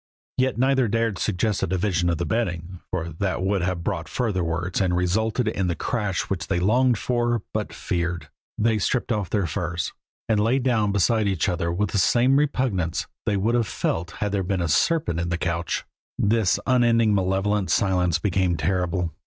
Yet neither dared suggest a division of the bedding, for that would have brought further words and resulted in the crash which they longed for, but feared. They stripped off their furs, and lay down beside each other with the same repugnance they would have felt had there been a serpent in the couch. This unending malevolent silence became terrible.